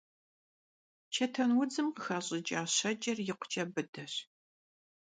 Чэтэнудзым къыхэщӀыкӀа щэкӀыр икъукӀэ быдэщ.